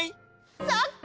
そっか！